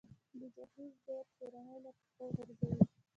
د جهیز دود کورنۍ له پښو غورځوي.